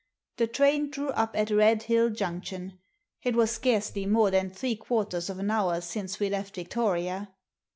— the train drew up at Red Hill Junction — it was scarcely more than three quarters of an hour since we left Victoria.